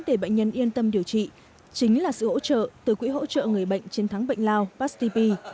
để bệnh nhân yên tâm điều trị chính là sự hỗ trợ từ quỹ hỗ trợ người bệnh chiến thắng bệnh lào pastp